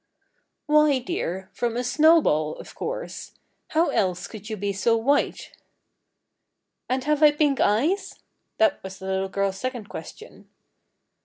"Why, dear, from a snowball, of course. How else could you be so white?" "And have I pink eyes?" That was the little girl's second question.